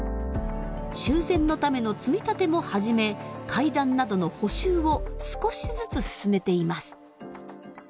修繕のための積み立ても始め階段などの補修を少しずつ進めています。